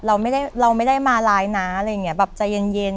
เราไม่ได้เราไม่ได้มาร้ายนะอะไรอย่างเงี้ยแบบใจเย็นเย็น